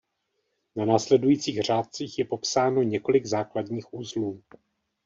Na následujících řádcích je popsáno několik základních uzlů.